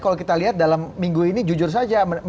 kalau kita lihat dalam minggu ini jujur saja